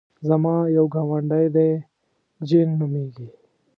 زما یو ګاونډی دی جین نومېږي.